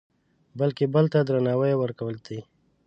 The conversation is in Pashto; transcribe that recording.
بلکې بل ته درناوی ورکول دي.